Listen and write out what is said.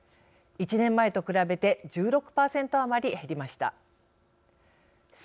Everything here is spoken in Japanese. １年前と比べて、１６％余り減りました。